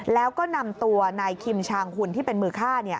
แล้วก็นำตัวนายคิมชางหุ่นที่เป็นมือฆ่า